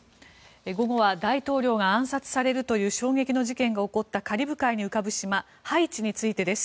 午後は大統領が暗殺されるという衝撃の事件が起こったカリブ海に浮かぶ島ハイチについてです。